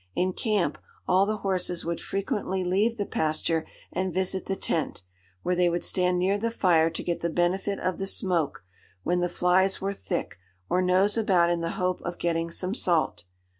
In camp, all the horses would frequently leave the pasture and visit the tent, where they would stand near the fire to get the benefit of the smoke when the flies were thick, or nose about in the hope of getting some salt.